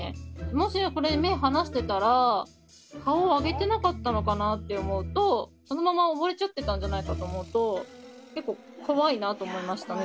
もしこれで目を離してたら顔を上げてなかったのかなって思うとそのまま溺れちゃってたんじゃないかと思うと結構怖いなと思いましたね